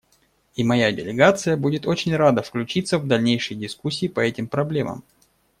И моя делегация будет очень рада включиться в дальнейшие дискуссии по этим проблемам.